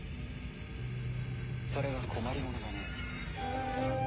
それは困りものだね。